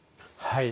はい。